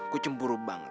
gue cemburu banget